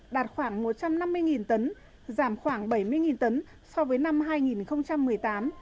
đạt khoảng một trăm năm mươi tấn giảm khoảng bảy mươi tấn so với năm hai nghìn một mươi tám